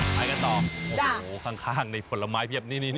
ไปกันต่อโอ้โหข้างในผลไม้เพียบนี่